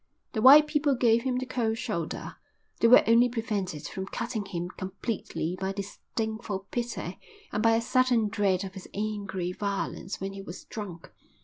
The white people gave him the cold shoulder. They were only prevented from cutting him completely by disdainful pity and by a certain dread of his angry violence when he was drunk.